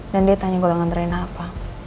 dan dia tanya golongan rena apa